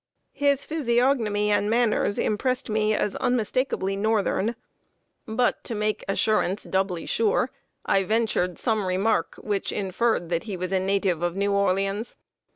His physiognomy and manners impressed me as unmistakably northern; but, to make assurance doubly sure, I ventured some remark which inferred that he was a native of New Orleans.